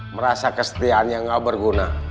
merasa kestiannya gak berguna